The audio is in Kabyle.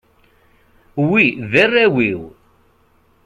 Wi d arraw-iw.